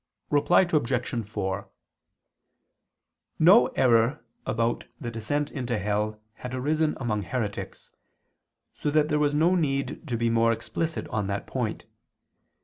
Reply Obj. 4: No error about the descent into hell had arisen among heretics, so that there was no need to be more explicit on that point.